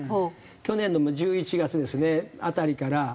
去年の１１月ですね辺りから。